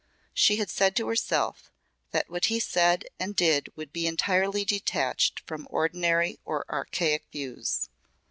She had said to herself that what he said and did would be entirely detached from ordinary or archaic views.